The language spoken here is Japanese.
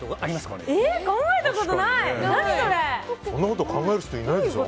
そんなこと考える人いないでしょ。